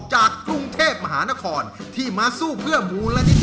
จะเต้นให้สุดแร่ง